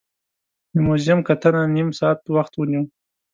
د موزیم کتنه نیم ساعت وخت ونیو.